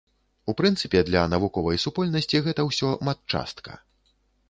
У прынцыпе, для навуковай супольнасці гэта ўсё матчастка.